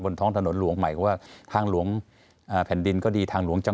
บนท้องถนนหลวงหมายความว่าทางหลวงแผ่นดินก็ดี